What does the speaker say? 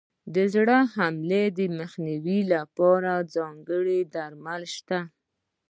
د زړه حملې مخنیوي لپاره ځانګړي درمل شته.